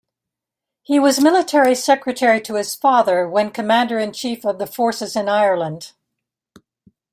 He was Military Secretary to his father when Commander-in-Chief of the Forces in Ireland.